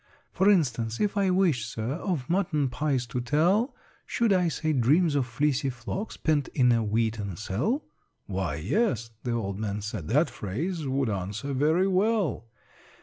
"For instance, if I wished, Sir, Of mutton pies to tell, Should I say 'dreams of fleecy flocks Pent in a wheaten cell'?" "Why, yes," the old man said: "that phrase Would answer very well.